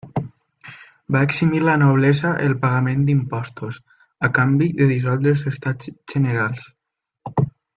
Va eximir la noblesa el pagament d'impostos, a canvi de dissoldre els Estats Generals.